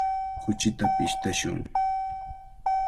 Kuchita pishtashun.